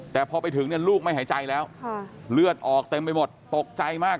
แต่พอไปถึงเนี่ยลูกไม่หายใจแล้วเลือดออกเต็มไปหมดตกใจมาก